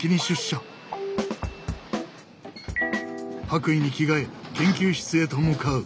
白衣に着替え研究室へと向かう。